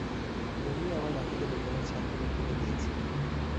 তুমিই আমার নাতিকে দোকানের ছাদ থেকে ফেলে দিয়েছিলে।